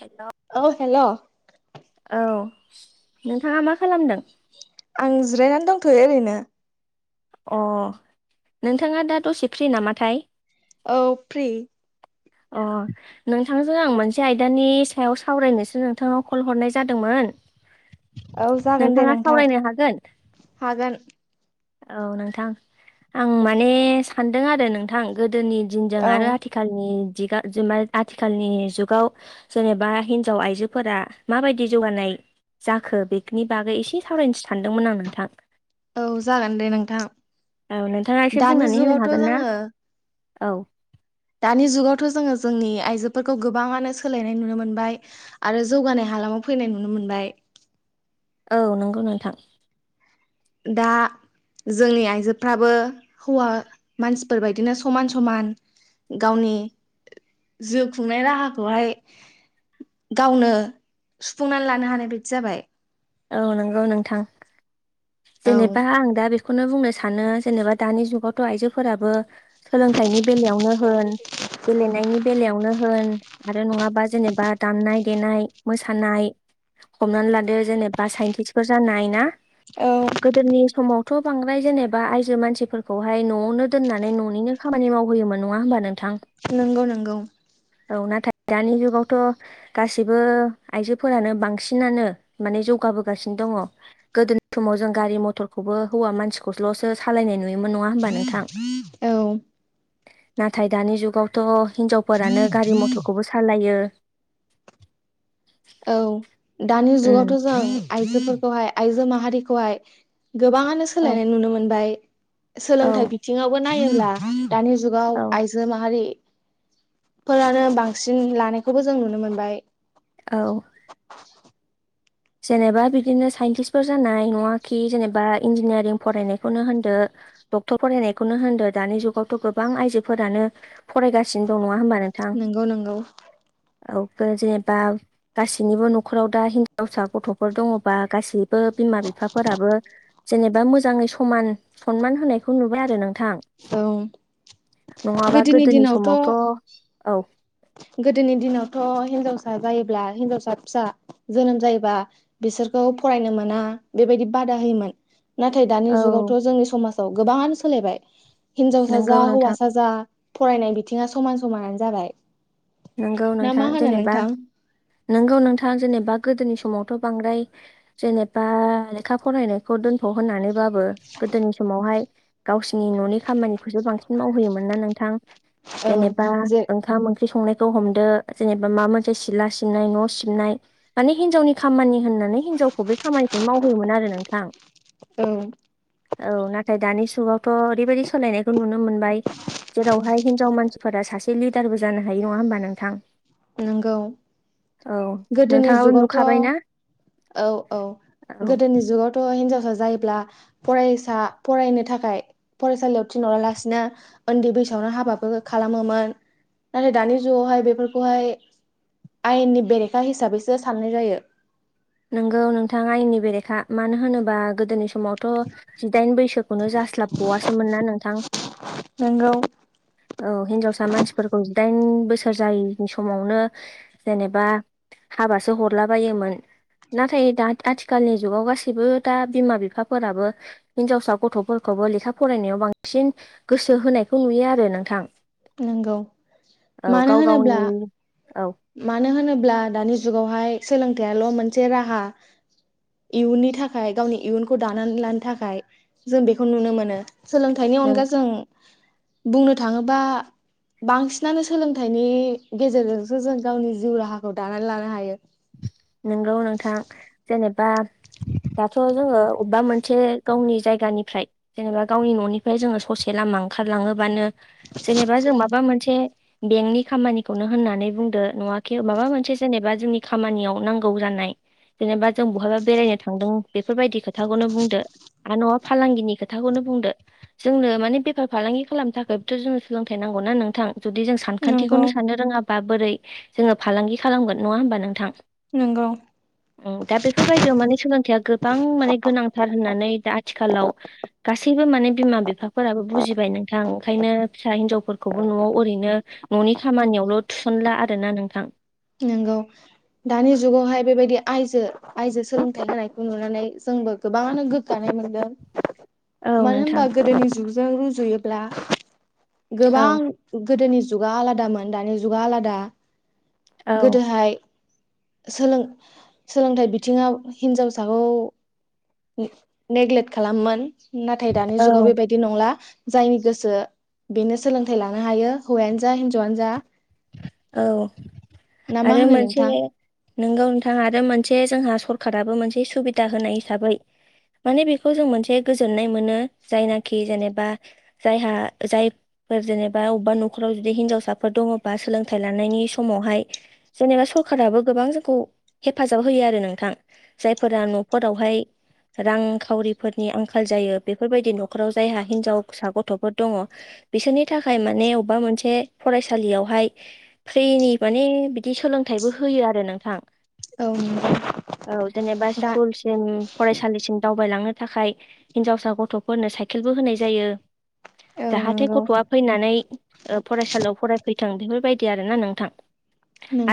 हेल' औ हेलौ औ नोंथाङा मा खालामदों आं जिरायनानै दंथयो ओरैनो अ नोंथाङा दा दसे फ्रि नामाथाय औ फ्रि अ नोंथांजों आं मोनसे आयदानि सायाव सावरायनोसो नोंथांनाव कल हरनाय जादोंमोन औ जागोन दे नोंथाङा नोंथां सावरायनो हागोन? हागोन औ नोंथां आं माने सानदों आरो नोंथां गो दोनि दिनजों आरो औ आथिखालनि आथिखालनि जुगाव जेनेबा हिनजाव आइजोफोरा माबायदि जौगानाय जाखो बेनि बागै एसे सावरायनोस सानदोंमोन आं नोंथां जागोन दे नोंथां औ नोंथाङा एसे दानि बुंनानै होनो जुगावथ' हागोन ना जोङो औ दानि जुगावथ' जोङो जोंनि आइजोफोरखौ गोबाङानो सोलायनाय नुनो मोनबाय आरो जौगानाया हालामाव फैनाय नुनो मोनबाय औ नंगौ नोंथां दा जोंनि आइजोफ्राबो हौवा मानसिफोरबायदिनो समान समान गावनि जिउ खुंनाय राहाखौहाय गावनो सुफुंनानै लानो हानाय बायदि जाबाय औ नंगौ नोंथां जेनेबा औ आं दा बे बेखौनो बुंनो सानो जेनेबा दानि जुगावथ आइजोफोराबो सोलोंथाइनि बेलायावनो होन गेलेनायनि बेलायावनो होन आरो नङाबा जेनेबा दामनाय देनाय मोसानाय हमनानै लादो जेनेबा बा साइन्टिस फोर जानो हायो ना गोदोनि समाव थ बांद्राय जेनेबा आइजो मानसिफोरखौहाय नआवनो दोननानै न'निनो खामानि मावहोयोमोन नङा होमबा नोंथां नंगौ नंगौ औ नाथाय दानि जुगावथ गाससिबो आइजोफोरानो बांसिनानो माने ज गाबोगासिनो दङ गोदोनिनि समाव जों गारि मथरखौबो हौवा मानसिखौल ' सालायनाय नुयोमोन नङा होमबा नोंथां औ नाथाय दानि जुगावथ हिनजावफोरानो गारि औ मथरखौबो सालायो औ दानि जुगावथ उम जों आइजोफोरखौहाय आइजो माहारिखौहाय गोबाङानो औ सोलायनाय नुनो मोनबाय औ सोलोंथाइ बिथिङावबो नायोब्ला दानि जुगाव आइजो माहारि फोरानो बांसिन लानायखौबो जों नुनो मोनबाय औ जेनेबा बिदिनो साइन्टिस्फोर जानाय नङाखि जेनेबा इन्जिनियारिं फरायनायखौनो होनदो डक्टर फरायनायखौनो होनदोंो दानि जुगावथ' गोबां आइजोफोरानो फरायगासिनो दं नङा होमबा नोंथां नंगौ नंगौ जेनेबा गासैनिबो न'खराव दाि गावसा गथ'फोर दङबा गासैबो बिमा बिफाफोराबो जेनेबा मोजाङै समान सनमान होनायखौ नुबाय आरो नों थां औ नङाबा गोदोनि समावथ' औ गोदोनि दिनावथ' हिनजावसा जायोब्ला हिनजावसा फिसा जोनोम जायोबा बिसोरखौ फरायनो मोना बेबायदि बादा होयोमोन नाथाय दानि औ जुगावथ' जोंनि समाजाव गोबाङानो सोलायबाय हिनजावसा नंगौ जा नोंथां हौवासा जा फरायनाय बिथिङा समान समानानो जाबाय नोंगौ ना नोंथां मा होनो जेनेबा नोंथां नोंगौ नोंथां जेनेबा गोदोनि समाव बांद्राय जेनेबा लेखा फरायनायखौ दोनथ' होननानै बाबो गोदोनि समावहाय गावसिोरनि न'नि खामानिखौसो बांसिन मावहोयोमोन ना नोंथां औ जेनेबा जे ओंखाम ओंख्रि संनाय खौ हमदो जेनेबा माबा मोनसे सिला सिबनाय न' सिबनाय माने हिनजावनि खामानि होननानै हिनजावखौ बे खामानिखौ मावहयोमोन आरो नोंथां औ औ नाथाय दानि जुगावथ' ओरैबायाददि सोलायनायखौ नुनो मोनबाय जेरावहाय हिनजाव मानसिफोरा सासे लिदारबो जानो हायो नङा होमबा नोंथां नोंगौ औ गोदोनि नोंथाङाबो जुगावथ' नुखाबायना औ औ औ गोदोनि जुगावथ' हनजावसा जायोब्ला फरायसा फरायनो थाखाय फरायसालियाव थिनहरालासिनो उन्दै बैसोआवनो हाबाबो खालामोमोन नाथाय दानि जुगावहाय बेफोरखौहाय आयेननि बेरेखा हिसाबैसो साननाय जायो नोंगौ नोंथाङा आयनि बेरेखा मानो होनोबा गोदोनि समावथ' जिदाइन बैसोखौनो जास्लाबबाववासोमोन ना नोंथां नंगौ औ हिनजावसा मानसिफोरखौ जिदाइन बोसोर जायैनि समावनो जेनेबा हाबासो हरला बायोमोन नाथाय दा आथिखालनि जुगाव गासैबो दा बिमा बिफाफोराबो हिनजावसा गथ'फोरखौबो लेखा फरायनायाव बांसिन गोसो होनायखौ नुयो आरो नोंथां नंगौ औ मानो गाव होनोब्ला गावनि औ मानो होनोब्ला दानि जुगावहाय सोलोंथाइयाल' मोनसे राहा इयुननि थाखाय गावनि इयुनखौ दानानै लानो थाखाय जों बेखौ नुनो मोनो सोलोंथाइनि नों अनगा जों बुंनो थाङोबा बांसिनानो सोलोंथाइनि गेजेरजों ो जों गावनि जिउ राहाखौ दानानै लानो हायो नोंगौ नोंथां जेनेबा दाथ' जोङो अबेबा मोनसे गावनि जायगानिफ्राय जेनेबा गावनि न'निफ्राय जोङो ससे लामा ा ओंखारलाङोबानो जेनेबा जों माबा मोनसे बेंकनि खामानिखौनो होननानै बुंदो नङाखि माबा मोनसे जेनेबा जोंनि खामानियाव नांगौ जानाय जेनेबा जों बहायबा बेरायनो थांदों बेफोरबायदि खोथाखौनो बुंदो आर न'आ फालांगिनि खोथाखौनो बुंदो। जोंनो माने बेफार फालांगि खालामनो थाखायथ' जोंनो सोलोंथाइ नां गौना नोंथां। जुदि जों नंगौ सानखान्थिखौनो साननो रोङा बोरै जोङो फालांगि खालामगोन नङा होमबा नों नंगौ। ओ दा बेफोरबायदियाव माने सोलोंथाइया गोबां माने गोनांथार होननानै दा आथिखालाव गासैबो माने बिमा बिफाफोराबो बुजिबाय नोंथां। ओंखायनो फिसा हिनजावफोरखौबो न'आव ओरैनो न'नि खामानियावल' थुसनला आरोना नोंथां। नंगौ दानि जुगावहाय बेबायदि आइजो आइजो सोलोंथाइ होनानायखौ नुनानै जोंबो गोबाङानो गोग गानाय मोनदों। औ मानो नोंथां होनबा गोदोनि जुगजों रुजुयोब्ला औ गोबां गोदोनि जुगा आलादामोन दानि जुगा आलादा। औ गोदोहाय सोलों सोलोंथाइ बिथिङाव हिन्जावसाखौ ने-नेग्लेक्ट खालाममोन नाथाय दानि औ जुगाव बेबायदि नंला। जायनि गोसो बेनो सोलोंथाइ लानो हायो। हौवायानो जा हिनजावआनो जा। औ ना मा आरो होनो मोनसे नोंथां नोंगौ नोंथां। आरो मोन से जोंहा सरखाराबो मोनसे सुबिदा होनाय हिसाबै। माने बेखौ जों मोनसे गोजोननाय मोनो जायनाखि जेनेबा जायहा जाय फोर जेनेबा अबा न'खराव जुदि हिनजावसाफोर दङबा सोलों थाय लानायनि समावहाय जेनेबा सरखाराबो गोबां जोंखौ हेफाजाब होयो आरो नोंथां। जायफोरा न'फोरावहाय रांखावरिफोरनि आंखाल जायो। बेफोरबायदि न'खराव जायहा हिनजाव फिसा गथ'फोर दङ। बिसोरनि थाखाय माने अबेबा मोनसे फरायसालियावहाय फ्रिनि माने बिदि सोलोंथाइबो होयो आरो नोंथां। औ जेनेबा दा स्कुलसिम फरायसालिसिम दावबायलांनो थाखाय। हिनजावसा गथ'फोरनो साइकेलबो होनाय जायो। नंगौ औ जाहाथे नंगौ गथ'आ फैनानै ओ फरायसालियाव फरायफैथों। बेफोर बायायदि आरोना नोंथां।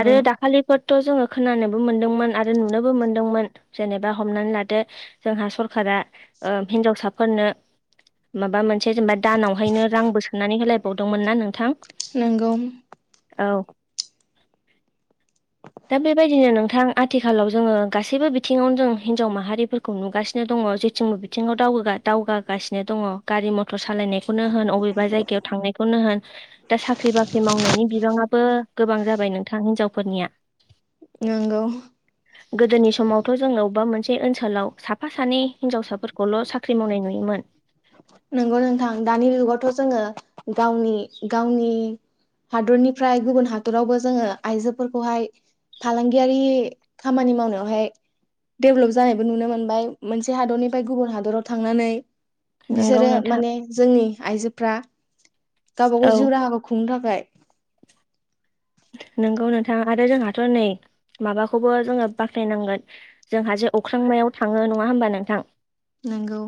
आरो दाखालिफोर थ' जोङो खोनानोबो मोन्दोंमोन आरो नुनोबो मोनदोंमोन। जेनेबा हमनानै लादो जोंहा सरकार रा ओ हिनजावसाफोरनो माबा मोन से जेनेबा दानावहायनो रांबो सोननानै होलायबावदोंमोन ना नों नोंगौ। औ दा बेबायदिनो नोंथां आथिखालाव जोङो गासैबो बिथिङावनो जों हिनजाव माहारिफोरखौ नुगासिनो दं ङ। जेथिंबो बिथिङाव दावगोगा दावगागासिनो दङ। गारि मथ थर सालायनायखौनो होन अबेबा जायगायाव थांनायखौनो होन। दा साख्रि बाख मावनायनि बिबाङाबो गोबां जाबाय नोंथां हिनजावफोरनिया। नंगौ गोदोनि समावथ' जोंनाव बा मोनसे बे ओनसोलाव साफा सानै हिनजावसाफोरखौल' साख्रि मावनाय नुयोमोन। नंगौ नोंथां दानि जुगावथ' जोङो गावनि गावनि हादरनिफ्राय गुबुन हादरावबो जोङो आइजोफोरखौहाय फालांगियारि खामानि मावनायावहाय डेभलप जानायबो नुनो मोनबाय मोनसे हादरनिफ्राय गुबुन हादराव थांनानै। नोंगौ बिसोरो नोंथां माने जोंनि आइजोफ्रा गावबागाव औ जिउ राहाखौ खुंनो थाखाय। नोंगौ नोंथाङा आरो जोंहाथ' नै। माबाखौबो जोङो बाखनाय नांगोन जोंहा जे अख्रांमायाव थाङो नङा होमबा नोंथां। नंगौ।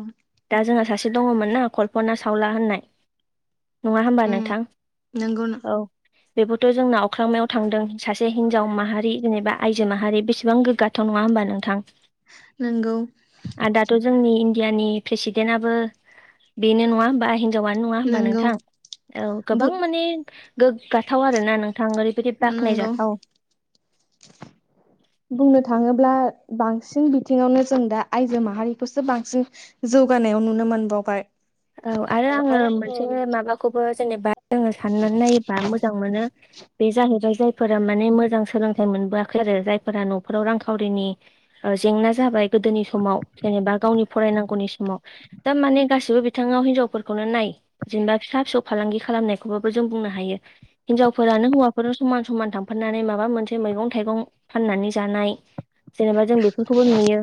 दा जोंहा सासे दङमोन ना कल्पना सावला होननाय। नङा होमबा उम नोंथां। नंगौ औ बेबोथ' जोंनाव अख्रांमायाव थांदों। सासे हिनजाव माहारि जेनेबा आइजो माहारि बेसेबां गोग्गाथाव नङा होमबा नोंथां। नंगौ आदाथ' जोंनि इनदियानि प्रेसिडेटआबो बेनो नङा बा हि हिनजावनो नङा हबा नंगौ नोंथां औ गोबां बुं माने गोग्गाथाव आरोना नों नंगौ बुंनो थाङोब्ला बांसिन बिथिङावनो जों दा आइजो माहारिखौसो बांसिन जौगानायाव नुनो मोनबावबाय औ आरो आङो मोनसे माबाखौबो जेनेबा जोङो साननानै नायोबा मोजां मोनो। बेजाहोबाय जा यफोरा माने मोजां सोलोंथाइ मोनबोआखै आरो जायफोरा न'खराव रांखावरिनि ओ जेंना जाबाय गोदोनि समाव जेनेबा गावनि फरायनांगौनि समाव दा माने गासिबो बिथाङाव हिनजावफोरखौनो नाय जेनेबा फिसा फिसौ फालांगि खालामनायखौबाबो जों बुंनो हायो हिनजावफोरा मानो हौवाफोराव समान समान थांफनानै माबा मोनसे मैगं-थाइगं फाननानै जानाय जेनेबा जों बेफोरखौबो नुयो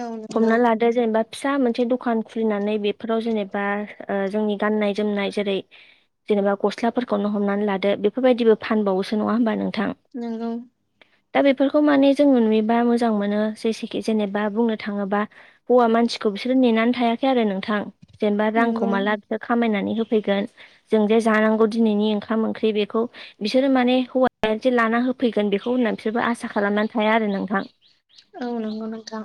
औ नंगौ हमना लादो जेनेबा फिसा मोनसे दखान खुलिनानै बेफोराव जेनेबा ओ जोंनि गाननाय जोमनाय जेरै जेनेबा गस्लाफोरखौनो हमनानै लादो बेफोरबायदिबो फानबावोसो नङा होनोमबा नों नांगौ दा बेफोरखौ माने जों नुयोबा मोजां मोनो जेसे जेनेबा बुंनो थाङोबा हौवा मानसिखौ बिसोर नेनानै थायाखै आरो नोंथां जेनेबा रांखौ नंगौ माला बिसोर खामायनानै होै जों जे जानांगौ दिनैनि ओंखाम ओंख्रि बेखौ बिसोरो माने हौ ला ना होफैगोन बेखौ होननानै बिसोरबो आसा खालामनानै थाया आरो नोंथां औ नांगौ नोंथां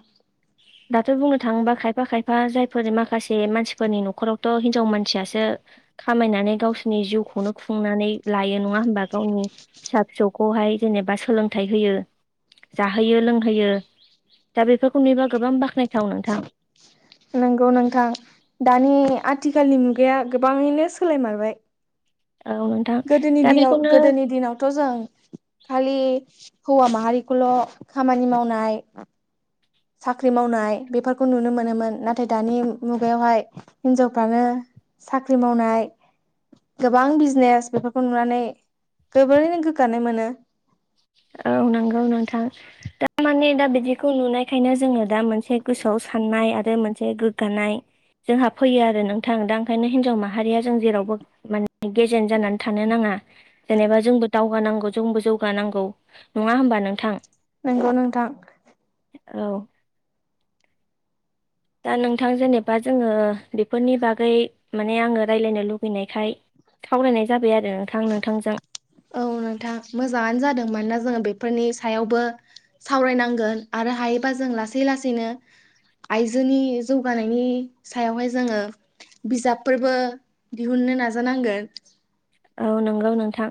दाथ' बुंनो थाङोबा खायफा खायफा जायफोर माखासे मानसिफोरनि न'खरावथ' हिनजाव मानसियासो खामायनानै गावसोरनि जिउखौनो खुंनानै लायो नङा हबा गावनि फिसा फिसौ खौहाय जेनेबा सोलोंथाइ होयो जाहोयो लोंहोयो दा बेफोरखौ नुबा नंगौ नोंथां दानि आथिखालनि मु बिगाया गोबाङैनो सोलायमारबाय औ नोंथां गोदोनि दा दिनाव बेखौनो गोदोनि दिनावथ' जों खालि हौवा माहारिखौल' खामानि मावनाय साख्रि मावनाय बेफोरखौ नुनो मोनोमोन नाथाय दानि मुगायावहाय हिनजावफ्रानो साख्रि मावनाय गोबां बिजनेस बेफोरखौ नुनानै गोबोरैनो गोग्गानो मोनो। औ नंगौ नोंथां। थारमाने दा बिदिखौ नुनायखायनो जोङो दा मोनसे गोसोआव साननाय आरो मोनसे गोग्गानाय जोंहा फैयो आरो नोंथां दा ओंखायनो हिनजाव माहारिया जों जेरावबो माने गेजेन जानानै थानो नाङा। जेनेबा जोंबो दावगानांगौ जोंबो जौगानांगौ नङा होमबा नोंथां। नोंगौ नोंथां औ दा नोंथां जेनेबा जोङो बेफोरनि बागै माने आङो राय्लायनो लुबैनायखाय खावलायनाय जाबाय आरो नोंथां नोंथांजों औ नोंथां मोजाङानो जादोंमोनोना जोङो बे फोरनि सायावबो सावरायनांगोन आरो हायोबा जों लासै लासैनो आइजोनि जौगानायनि सायावहाय जोङो बिजाबफोरबो दिहुननो नाजानांगोन औ नोंगौ नोंथां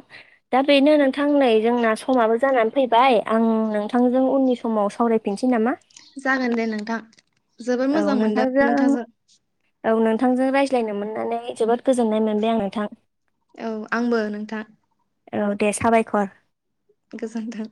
दा बेनो नोंथां नै जोंना समाबो जानानै फैबाय आं नोंथां जों उननि समाव सावरायफिनसै नामा? जागोन दे नोंथां जबोद औ मोजां मोनदों नोंथांजों नोंथांजो औ नोंथांजों रायज्लायनो मोननानै जोबोद गोजोननाय मोनबाय आं नोंथां औ आंबो नोंथां औ दे साबायखर गोजोन्थों